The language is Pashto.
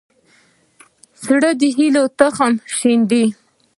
زړه د هيلو تخم شیندي.